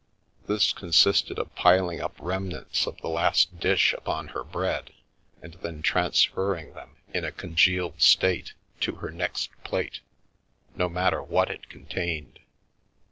This consisted of piling up remnants of the last dish upon her bread, and then transferring them, in a congealed state, to her next plate, no matter what that contained.